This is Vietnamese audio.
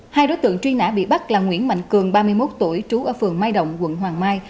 hai đối tượng truy nã bị bắt là nguyễn mạnh cường ba mươi một tuổi trú ở phường mai động quận hoàng mai